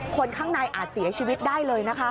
คนข้างในอาจเสียชีวิตได้เลยนะคะ